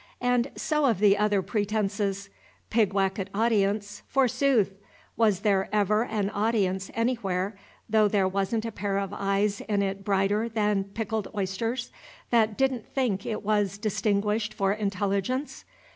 And so of the other pretences. "Pigwacket audience," forsooth! Was there ever an audience anywhere, though there wasn't a pair of eyes in it brighter than pickled oysters, that did n't think it was "distinguished for intelligence"?